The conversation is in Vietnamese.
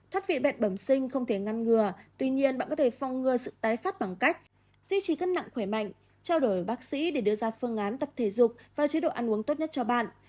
thoát vị bệnh bẩm sinh không thể ngăn ngừa tuy nhiên bạn có thể phong ngừa sự tái phát bằng cách duy trì cân nặng khỏe mạnh trao đổi bác sĩ để đưa ra phương án tập thể dục và chế độ ăn uống tốt nhất cho bạn